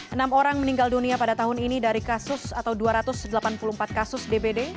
enam orang meninggal dunia pada tahun ini dari kasus atau dua ratus delapan puluh empat kasus dbd